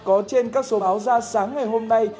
có trên các số báo ra sáng ngày hôm nay